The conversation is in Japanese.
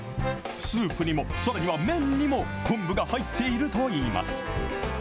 スープにも、さらには麺にも、昆布が入っているといいます。